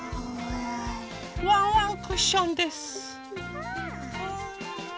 ワンワンクッションです。